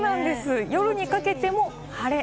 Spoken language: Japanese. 夜にかけても晴れ。